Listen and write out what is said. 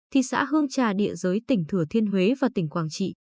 thị xã hương trà địa giới tỉnh thừa thiên huế và tỉnh quảng trị